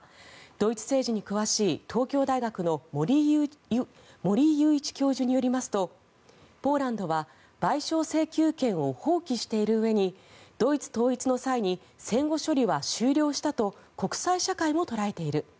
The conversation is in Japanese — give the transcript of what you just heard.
ドイツ政治に詳しい、東京大学の森井裕一教授によりますとポーランドは賠償請求権を放棄しているうえにドイツ統一の際に戦後処理は終了したと国際社会も捉えている。